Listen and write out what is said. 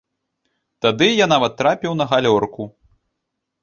Тады я нават трапіў на галёрку.